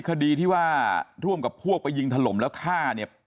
คดีที่ว่าร่วมกับพวกไปยิงถล่มแล้วฆ่าเนี่ย